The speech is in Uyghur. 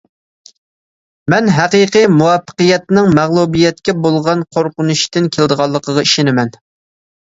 مەن ھەقىقىي مۇۋەپپەقىيەتنىڭ مەغلۇبىيەتكە بولغان قورقۇنچتىن كېلىدىغانلىقىغا ئىشىنىمەن.